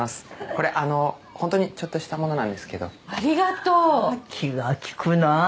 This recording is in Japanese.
これあの本当にちょっとしたものなんですけどありがとう気が利くなあ